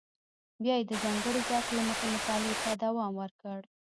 بیا یې د ځانګړي ذوق له مخې مطالعه ته دوام ورکړ.